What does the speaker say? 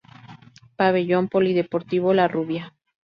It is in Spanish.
Pabellón Polideportivo "La Rubia"